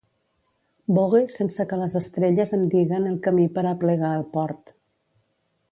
Vogue sense que les estrelles em diguen el camí per a aplegar al port.